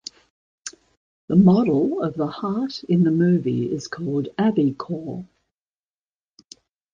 The model of the heart in the movie is called AviCor.